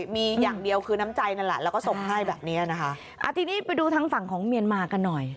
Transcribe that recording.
ทีนี้ไปดูทางฝั่งของเมียนมากันหน่อย